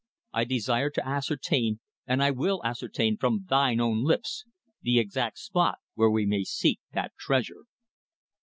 I desire to ascertain, and I will ascertain from thine own lips, the exact spot where we may seek that treasure."